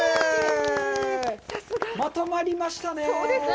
まとまりましたね！